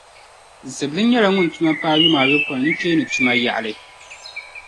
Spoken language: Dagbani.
Ziblim nyɛla ŋun tuma paai yuma ayɔpoin nucheeni tuma yaɣili.